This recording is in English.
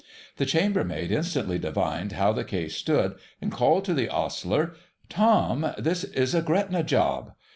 The chambermaid instantly divined how the case stood, and called to the ostler, 'Tom, this is a Gretna job